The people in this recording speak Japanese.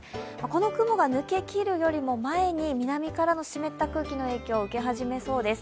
この雲が抜けきるよりも前に南からの湿った空気の影響を受け始めそうです。